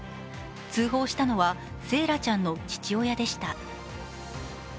通報したのは惺愛ちゃんの父親でした。